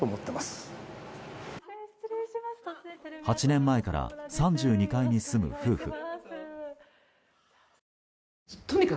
８年前から３２階に住む夫婦。